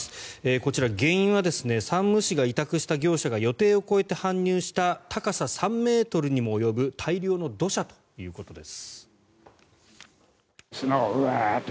こちら、原因は山武市が委託した業者が予定を超えて搬入した高さ３ｍにも及ぶ大量の土砂ということです。